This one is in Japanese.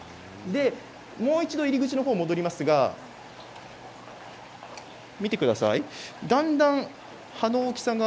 もう一度入り口の方に戻りますがだんだん葉の大きさが